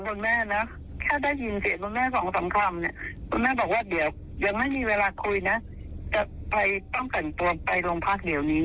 คุณแม่บอกว่าเดี๋ยวยังไม่มีเวลาคุยนะแต่ใครต้องกันตัวไปโรงพักษณ์เดี๋ยวนี้